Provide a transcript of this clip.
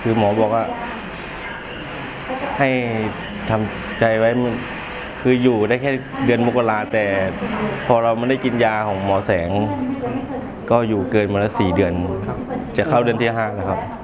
คือหมอบอกว่าให้ทำใจไว้คืออยู่ได้แค่เดือนมกราแต่พอเราไม่ได้กินยาของหมอแสงก็อยู่เกินวันละ๔เดือนจะเข้าเดือนที่๕แล้วครับ